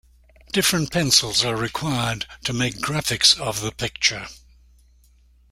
Different pencils are required to make graphics of the picture.